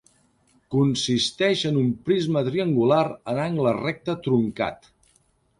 Consisteix en un prisma triangular en angle recte truncat.